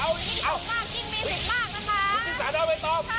รู้ที่สาธารณะนี้ต้องค่ะ